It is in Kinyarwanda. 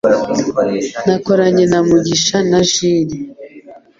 Nakoranye na Mugisha na jule